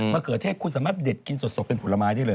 เขือเทศคุณสามารถเด็ดกินสดเป็นผลไม้ได้เลย